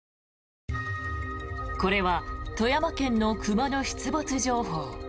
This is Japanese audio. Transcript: これは富山県の熊の出没情報。